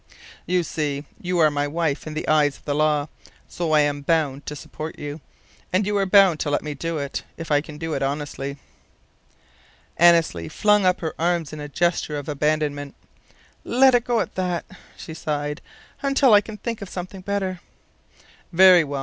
You see, you are my wife in the eyes of the law, so I'm bound to support you. And you're bound to let me do it, if I can do it honestly." Annesley flung up her arms in a gesture of abandonment. "Let it go at that," she sighed, "until I can think of something better." "Very well.